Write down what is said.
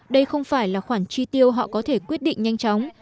đây không phải là khoản chi tiêu họ có thể quyết định nhanh chóng